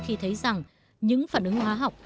khi thấy rằng những phản ứng hóa học